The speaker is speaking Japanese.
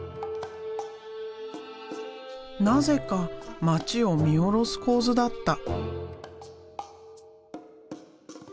なぜか街を見下ろす構図だった。